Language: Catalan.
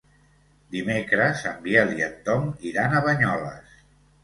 Dimecres en Biel i en Tom iran a Banyoles.